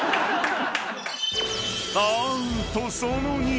［アウトその２］